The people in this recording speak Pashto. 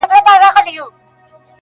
• هسي نه ده چي نېستۍ ته برابر سو -